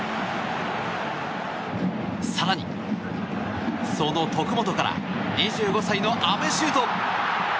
更にその、徳元から２５歳の安部柊斗。